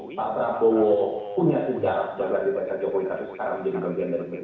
itu yang menyebabkan memang pada akhirnya tidak mengajarkan kalau itu langsung mengaksosiasikan